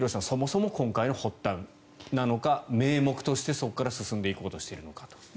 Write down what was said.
そもそもの今回の発端なのか名目としてそこから進んでいこうとしているのかと。